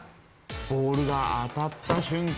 ボールが当たった瞬間